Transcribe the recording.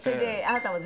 あなたが。